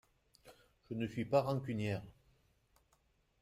Je ne suis pas rancunière.